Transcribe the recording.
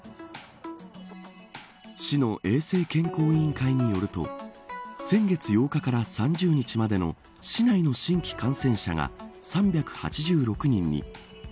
市の衛生健康委員会によると先月８日から３０日までの市内の新規感染者が３８６人に。